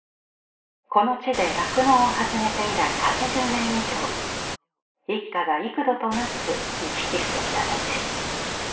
この地で酪農を始めて以来８０年以上一家が幾度となく行き来してきた道。